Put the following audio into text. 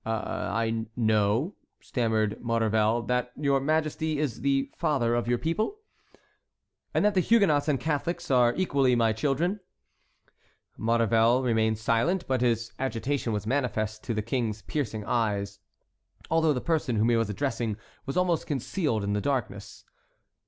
"I know," stammered Maurevel, "that your Majesty is the father of your people." "And that the Huguenots and Catholics are equally my children?" Maurevel remained silent, but his agitation was manifest to the King's piercing eyes, although the person whom he was addressing was almost concealed in the darkness.